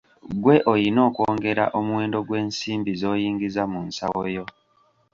Gwe oyina okwongera omuwendo gw'ensimbi z'oyingiza mu nsawo yo.